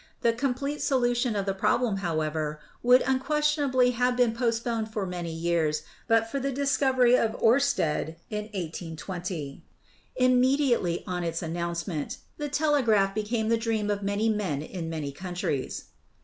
The complete solution of the problem, however, would unquestionably have been post poned for many years but for the discovery of Oersted in 1820. Immediately on its announcement, the telegraph 293 294 ELECTRICITY became the dream of many men in many countries.